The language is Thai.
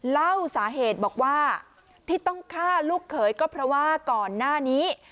เล่าสาเหตุบอกว่าที่ต้องฆ่าลูกเขยก็เพราะว่าก่อนหน้านี้